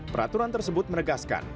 peraturan tersebut menegaskan